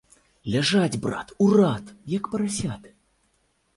Ляжаць, брат, у рад, як парасяты.